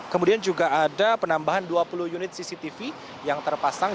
kemudian juga ada penambahan dua puluh unit cctv yang terpasang